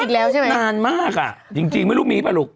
อีกแล้วใช่ไหมนานมากอ่ะจริงไม่รู้มีป่ะลูก